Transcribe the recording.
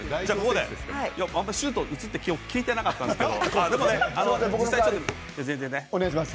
シュート打つってきょう聞いてなかったんですけど。